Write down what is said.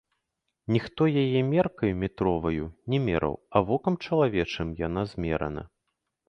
Ніхто яе меркаю метроваю не мераў, а вокам чалавечым яна змерана.